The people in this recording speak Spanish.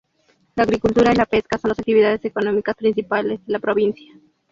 La agricultura y la pesca son los actividades económicas principales de la provincia.